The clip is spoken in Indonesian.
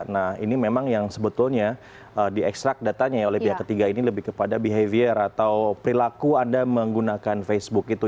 nah ini memang yang sebetulnya di extract datanya ya oleh pihak ketiga ini lebih kepada behavior atau perilaku anda menggunakan facebook itu